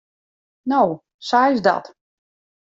No, sa is dat.